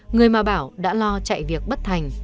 người mà bảo đã lo chạy việc bất thành